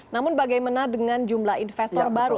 namun bagaimana dengan jumlah investor baru